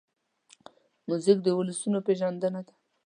موزیک د ولسونو پېژندنه ده.